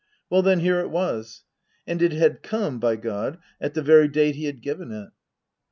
Well then, here it was. And it had come, by God, at the very date he had given it.